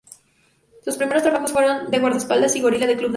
Sus primeros trabajos fueron de guardaespaldas y gorila de club de noche.